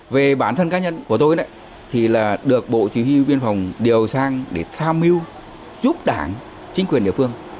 về bản thân cá nhân của tôi thì được bộ chỉ huy biên phòng điều sang để tham mưu giúp đảng chính quyền địa phương